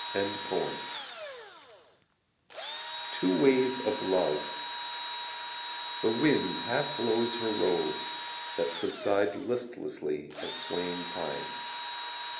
Two Ways of Love The wind half blows her robes, That subside Listlessly As swaying pines.